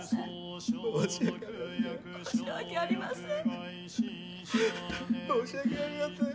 ううっ申し訳ありません。